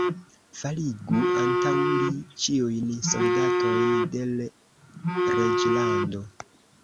Faligu antaŭ li ĉiujn soldatojn de l' reĝlando!